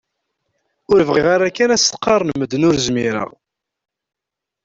Ur bɣiɣ ara kan ad s-qqaren medden ur zmireɣ.